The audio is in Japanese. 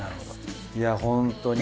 いやホントに。